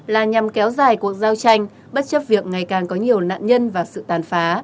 là nhằm kéo dài cuộc giao tranh bất chấp việc ngày càng có nhiều nạn nhân và sự tàn phá